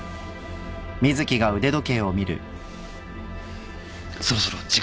そろそろ時間です。